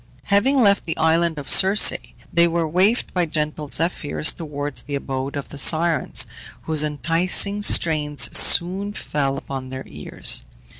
Having left the island of Circe they were wafted by gentle zephyrs towards the abode of the Sirens, whose enticing strains soon fell upon their ears.